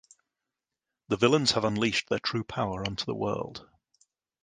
The villains have unleashed their true power onto the world.